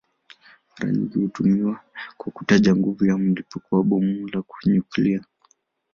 Mara nyingi hutumiwa kwa kutaja nguvu ya mlipuko wa bomu la nyuklia.